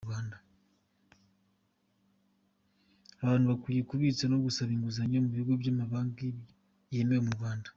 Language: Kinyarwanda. Abantu bakwiye kubitsa no gusaba inguzanyo mu bigo n’amabanki yemewe mu Rwanda.